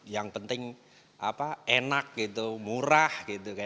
yang penting enak gitu murah gitu kan